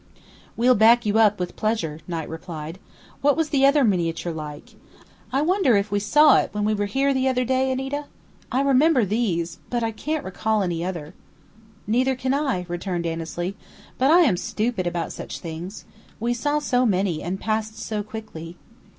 "We'll back you up with pleasure," Knight replied. "What was the miniature like? I wonder if we saw it when we were here the other day, Anita? I remember these, but can't recall any other." "Neither can I," returned Annesley. "But I am stupid about such things. We saw so many and passed so quickly."